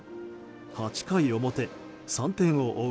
８回表、３点を追う